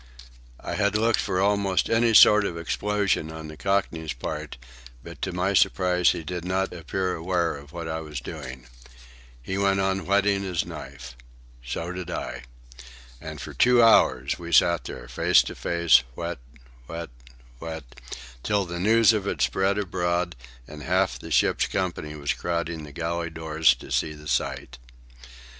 I had looked for almost any sort of explosion on the Cockney's part, but to my surprise he did not appear aware of what I was doing. He went on whetting his knife. So did I. And for two hours we sat there, face to face, whet, whet, whet, till the news of it spread abroad and half the ship's company was crowding the galley doors to see the sight.